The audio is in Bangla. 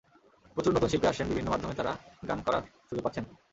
প্রচুর নতুন শিল্পী আসছেন, বিভিন্ন মাধ্যমে তাঁরা গান করার সুযোগ পাচ্ছেন।